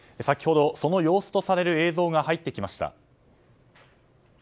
先ほどその様子とされる映像が入ってきました。